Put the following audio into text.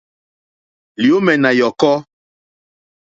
Lyǒmɛ̀ nà yɔ̀kɔ́.